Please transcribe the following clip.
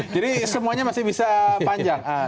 jadi semuanya masih bisa panjang